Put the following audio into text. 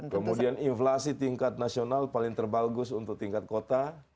kemudian inflasi tingkat nasional paling terbagus untuk tingkat kota